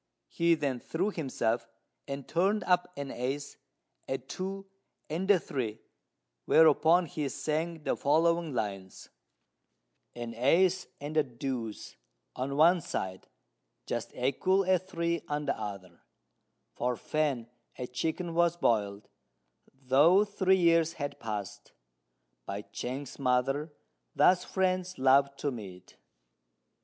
He then threw himself, and turned up an ace, a two, and a three; whereupon he sang the following lines: "An ace and a deuce on one side, just equal a three on the other: For Fan a chicken was boiled, though three years had passed, by Chang's mother. Thus friends love to meet!"